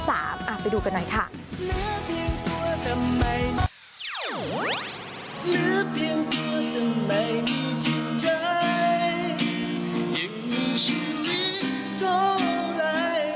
ไปดูกันหน่อยค่ะ